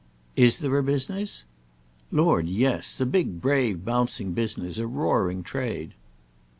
"Is there a business?" "Lord, yes—a big brave bouncing business. A roaring trade."